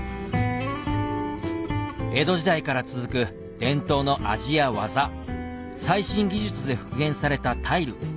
江戸時代から続く伝統の味や技最新技術で復元されたタイル